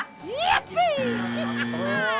เยี่ยมสิ